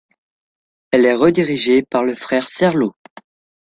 Elle est rédigée par le frère Serlo.